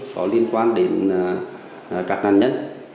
có liên quan đến các nạn nhân